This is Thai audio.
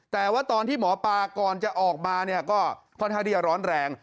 แต่ว่าตอนที่หมอปลาก่อนจะออกมาก็คอนทะเดียร้อนแรง